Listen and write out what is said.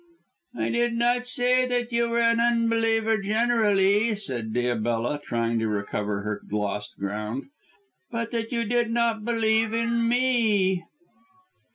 "I did not say that you were an unbeliever generally," said Diabella, trying to recover her lost ground, "but that you did not believe in me."